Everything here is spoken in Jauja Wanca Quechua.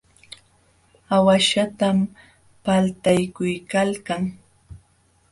Aawaśhtam paltaykuykalkan.